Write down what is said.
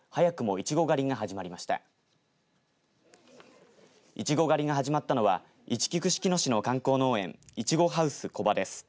いちご狩りが始まったのはいちき串木野市の観光農園いちごハウス木場です。